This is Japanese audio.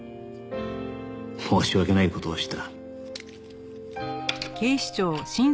「申し訳ない事をした」